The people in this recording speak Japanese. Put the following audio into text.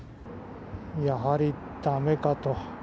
やはりだめかと。